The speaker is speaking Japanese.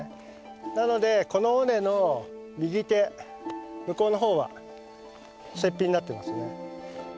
なのでこの尾根の右手向こうの方は雪庇になってますね。